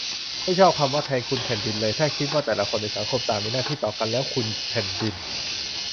ไม่ชอบคำว่า 'แทนคุณแผ่นดิน' เลย ถ้าคิดว่าแต่ละคนในสังคมต่างมีหน้าที่ต่อกัน แล้ว 'คุณแผ่นดิน'